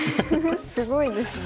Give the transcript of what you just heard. すごいですね。